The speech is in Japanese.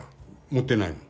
持ってないもん。